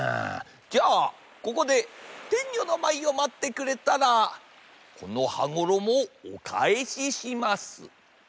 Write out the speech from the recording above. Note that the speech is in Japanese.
じゃあここでてんにょのまいをまってくれたらこの羽衣をおかえしします。